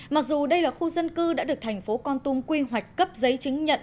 mặc dù đây là khu dân cư đã được thành phố con tum quy hoạch cấp giấy chứng nhận